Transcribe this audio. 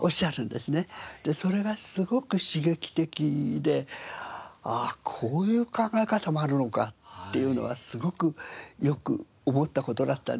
それがすごく刺激的でこういう考え方もあるのかっていうのはすごくよく思った事があったんです。